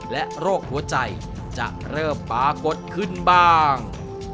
และโรคหัวใจจะเริ่มปรากฏขึ้นบ้าง